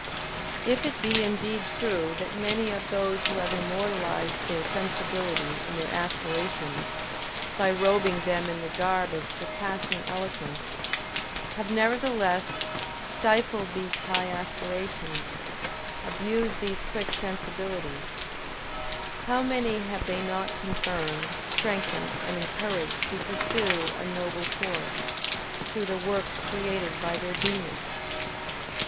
If it be indeed true that many of those who have immortalized their sensibility and their aspirations, by robing them in the garb of surpassing eloquence, have, nevertheless, stifled these high aspirations, abused these quick sensibilities, how many have they not confirmed, strengthened and encouraged to pursue a noble course, through the works created by their genius!